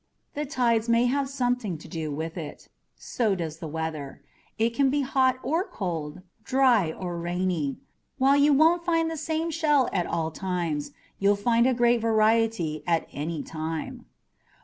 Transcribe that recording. The tides may have something to do with it. So does the weather it can be hot or cold, dry or rainy. While you won't find the same shell at all times, you'll find a great variety at any time.